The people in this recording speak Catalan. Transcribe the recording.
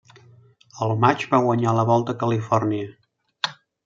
Al maig va guanyar la Volta a Califòrnia.